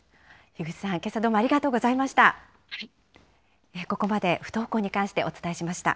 樋口さん、けさはどうもありがとうございました。